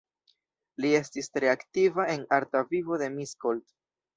Li estis tre aktiva en arta vivo de Miskolc.